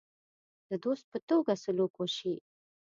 د دوست په توګه سلوک وشي.